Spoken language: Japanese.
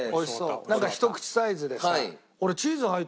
なんかひと口サイズでさ。